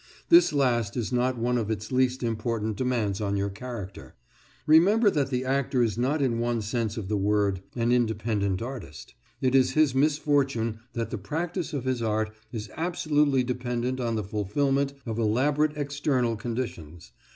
This last is not one of its least important demands on your character. Remember that the actor is not in one sense of the word an independent artist; it is his misfortune that the practice of his art is absolutely dependent on the fulfilment of elaborate external conditions.